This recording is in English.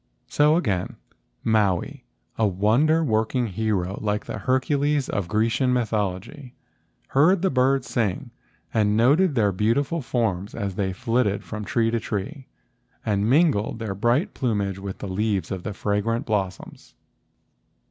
So, again, Maui, a wonder working hero like the Hercules of Grecian mythology, heard the birds sing, and noted their beautiful forms as they flitted from tree to tree and mingled their bright plumage with the leaves of the fragrant blossoms.